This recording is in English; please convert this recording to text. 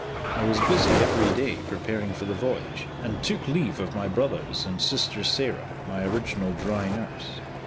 I was busy every day preparing for the voyage, and took leave of my brothers and sister Sarah, my original dry nurse.